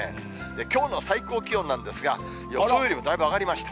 きょうの最高気温なんですが、予想よりもだいぶ上がりました。